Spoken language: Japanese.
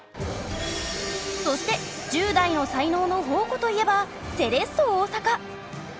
そして１０代の才能の宝庫といえばセレッソ大阪。